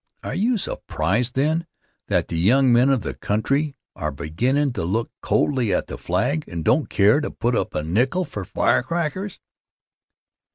Are you surprised then that the young men of the country are beginnin' to look coldly on the flag and don't care to put up a nickel for firecrackers?